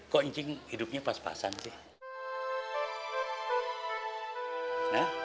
kok incing hidupnya pas pasan sih